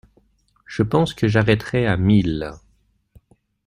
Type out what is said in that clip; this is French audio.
Je pense que j'arrêterai à mille.